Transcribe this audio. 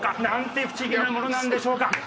何て不思議なモノなんでしょうか。